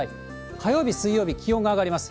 火曜日、水曜日、気温が上がります。